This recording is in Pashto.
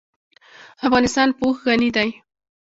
افغانستان په اوښ غني دی.